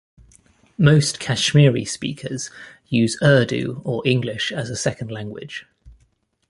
Most Kashmiri speakers use Urdu or English as a second language.